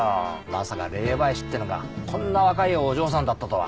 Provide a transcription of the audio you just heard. まさか霊媒師ってのがこんな若いお嬢さんだったとは。